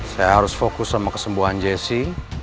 saya harus fokus sama kesembuhan jessi